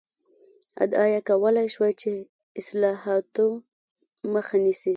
ادعا یې کولای شوای چې اصلاحاتو مخه نیسي.